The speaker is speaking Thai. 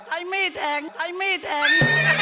ใช้มีดแทงใช้มีดแทง